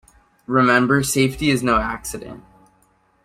Remember safety is no accident.